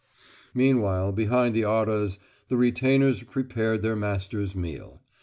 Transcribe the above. Meanwhile, behind the arras the retainers prepared their masters' meal.